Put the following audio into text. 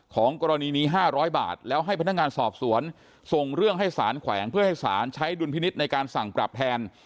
กรณีนี้๕๐๐บาทแล้วให้พนักงานสอบสวนส่งเรื่องให้สารแขวงเพื่อให้สารใช้ดุลพินิษฐ์ในการสั่งปรับแทน